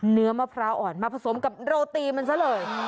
เนื้อมะพร้าวอ่อนมาผสมกับโรตีมันซะเลย